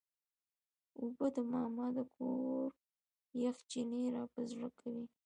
اوبه د ماما د کور یخ چینې راپه زړه کوي.